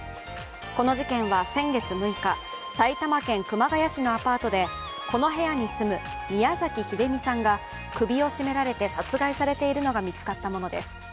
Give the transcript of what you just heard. この事件は先月６日、埼玉県熊谷市のアパートでこの部屋に住む宮崎英美さんが首を絞められて殺害されているのが見つかったものです。